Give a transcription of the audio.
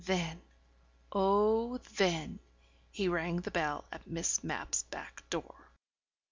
Then, oh then, he rang the bell at Miss Mapp's back door.